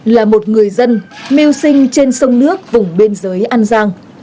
là một người dân mưu sinh trên sông nước vùng biên giới an giang